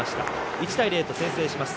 １対０と先制します。